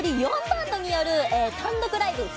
４バンドによる単独ライブ４